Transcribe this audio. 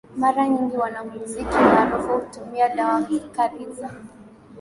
Mara nyingi wanamuziki maarufu hutumia dawa kali za